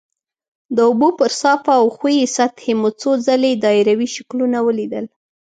د اوبو پر صافه او ښویې سطحې مو څو ځلې دایروي شکلونه ولیدل.